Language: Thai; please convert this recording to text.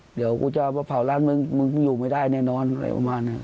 เดี๋ยวก็จะหามาเผาร้านมึง